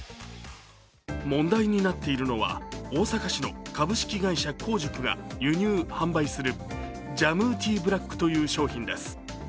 問題になっているのは大阪市の株式会社香塾が輸入販売するジャムーティーブラックという商品です。